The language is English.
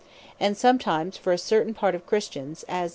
And sometimes for a certain part of Christians, as (Col.